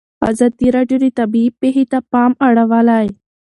ازادي راډیو د طبیعي پېښې ته پام اړولی.